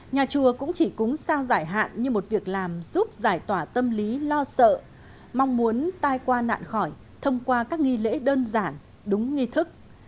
nhà chùa cũng chỉ cúng sao giải hạn như một việc làm giúp giải tỏa tâm lý lo sợ mong muốn tai qua nạn khỏi thông qua các nghi lễ đơn giản đúng nghi thức